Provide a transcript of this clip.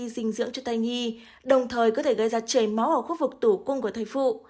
dinh dưỡng cho thai nhi đồng thời có thể gây ra chảy máu ở khu vực tủ cung của thai phụ